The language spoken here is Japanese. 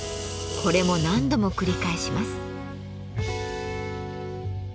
これも何度も繰り返します。